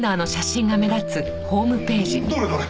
どれどれ？